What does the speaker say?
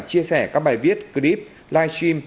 chia sẻ các bài viết clip live stream